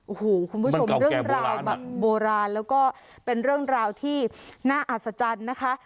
โอ้โหคุณผู้ชมเรื่องราวแบบโบราณแล้วก็เป็นเรื่องราวที่น่าอัศจรรย์นะคะ